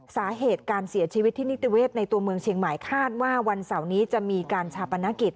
สาเหตุการเสียชีวิตที่นิติเวศในตัวเมืองเชียงใหม่คาดว่าวันเสาร์นี้จะมีการชาปนกิจ